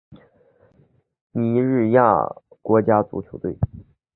尼日利亚国家足球队